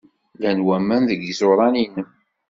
Llan waman deg yiẓuran-nnem.